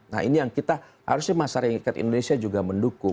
nah ini yang kita harusnya masyarakat indonesia juga mendukung